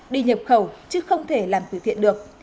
đi nhập khẩu chứ không thể làm từ thiện được